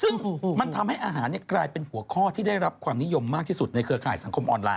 ซึ่งมันทำให้อาหารกลายเป็นหัวข้อที่ได้รับความนิยมมากที่สุดในเครือข่ายสังคมออนไลน